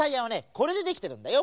これでできてるんだよ。